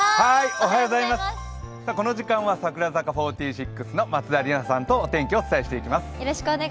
この時間は櫻坂４６の松田里奈さんとお天気をお伝えします。